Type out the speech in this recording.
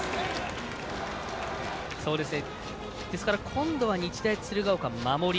今度は日大鶴ヶ丘、守り。